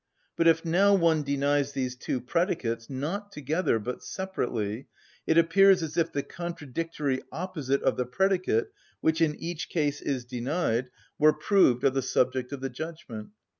But if now one denies these two predicates, not together, but separately, it appears as if the contradictory opposite of the predicate which in each case is denied were proved of the subject of the judgment.